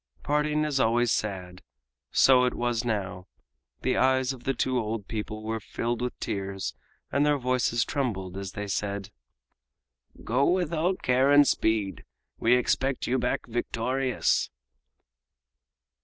Parting is always sad. So it was now. The eyes of the two old people were filled with tears and their voices trembled as they said: "Go with all care and speed. We expect you back victorious!"